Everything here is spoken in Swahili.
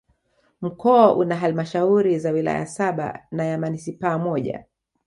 Mkoa una Halmashauri za wilaya saba na ya Manispaa moja